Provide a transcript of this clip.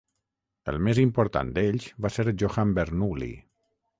El més important d'ells va ser Johann Bernoulli.